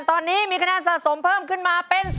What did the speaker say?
ตอนนี้มีคะแนนสะสมเพิ่มขึ้นมาเป็น